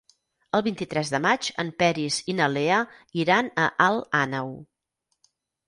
El vint-i-tres de maig en Peris i na Lea iran a Alt Àneu.